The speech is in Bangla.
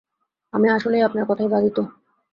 আমি আসলেই আপনার কথাই বাধিত।